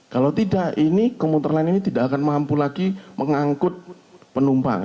kalau tidak ini komuter lain ini tidak akan mampu lagi mengangkut penumpang